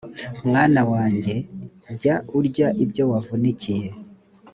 mwana wanjye jya urya ibyo wavunikiye